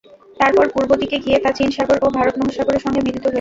তারপর পূর্ব দিকে গিয়ে তা চীন সাগর ও ভারত মহাসাগরের সঙ্গে মিলিত হয়েছে।